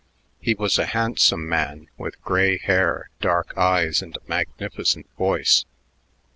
He was a handsome man with gray hair, dark eyes, and a magnificent voice.